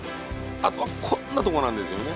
あとはこんなとこなんですよね。